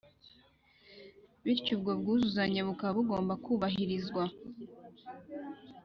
bityo ubwo bwuzuzanye bukaba bugomba kubahirizwa